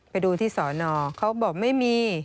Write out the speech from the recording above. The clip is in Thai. ไปดูที่สอนอเขาบอกไม่มี